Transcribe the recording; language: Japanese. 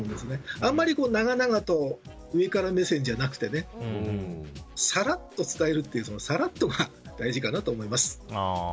あまり長々と上から目線じゃなくてねさらっと伝えるっていうさらっとが大事かなと思います。